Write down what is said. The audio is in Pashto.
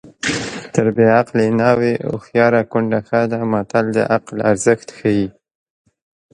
تر بې عقلې ناوې هوښیاره کونډه ښه ده متل د عقل ارزښت ښيي